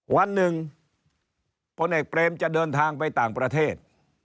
วันหนึ่งพลเอกเปรมจะเดินทางไปต่างประเทศ